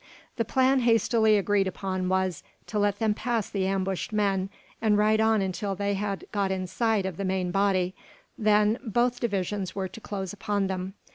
The plan hastily agreed upon was, to let them pass the ambushed men, and ride on until they had got in sight of the main body; then both divisions were to close upon them.